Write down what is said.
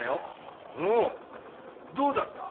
おうどうだった？